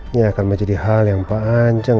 ini akan menjadi hal yang panjang